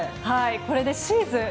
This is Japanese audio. これでシーズン